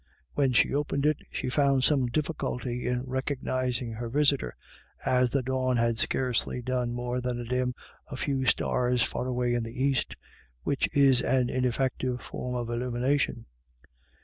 When she opened it, she found some diffi culty in recognising her visitor, as the dawn had scarcely done more than dim a few stars far away in the east, which is an ineffective form of illumi nation.